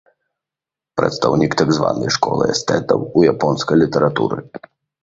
Прадстаўнік так званай школы эстэтаў у японскай літаратуры.